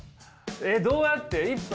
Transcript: どうやって１分？